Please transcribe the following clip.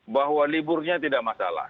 bahwa liburnya tidak masalah